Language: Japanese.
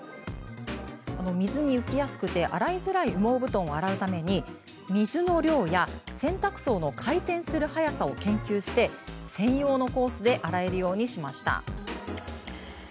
水に浮きやすく洗いづらい羽毛布団を洗うため水の量や洗濯槽の回転する速さを研究し専用のコースで洗えるようにしました。